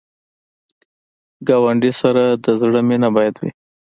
ګاونډي سره د زړه مینه باید وي